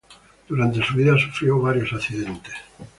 Durante su vida sufrió varios accidentes.